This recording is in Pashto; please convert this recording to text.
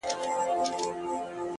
وبېرېدم،